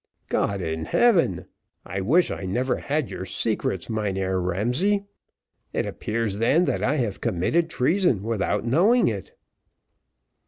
"God in heaven! I wish I never had your secrets, Mynheer Ramsay. It appears then that I have committed treason without knowing it."